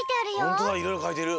ホントだいろいろかいてる。